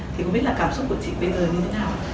thì không biết là cảm xúc của chị bây giờ như thế nào